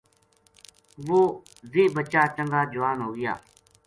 وہ ویہ بچا چنگا جوان ہو گیا